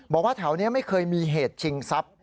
บอกว่าแถวนี้ไม่เคยมีเหตุชิงทรัพย์